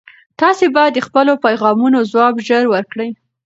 تاسي باید د خپلو پیغامونو ځواب ژر ورکړئ.